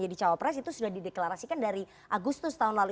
jadi caopres itu sudah dideklarasikan dari agustus tahun lalu